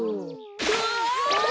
うわ！